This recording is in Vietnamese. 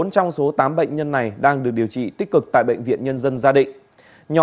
bốn trong số tám bệnh nhân này đang được điều trị tích cực tại bệnh viện nhân dân gia định